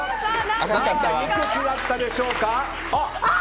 いくつだったでしょうか？